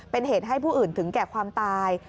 เป็นเหตุให้ผู้อื่นถึงแก่ความตาย